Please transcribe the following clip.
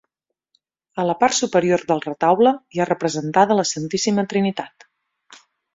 A la part superior del retaule hi ha representada la Santíssima Trinitat.